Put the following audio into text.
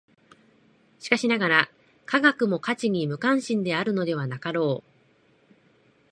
しかしながら、科学も価値に無関心であるのではなかろう。